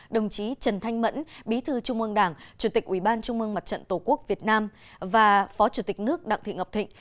đồng chí trần thanh mẫn bí thư trung mương đảng chủ tịch ubnd tổ quốc việt nam và phó chủ tịch nước đặng thị ngọc thịnh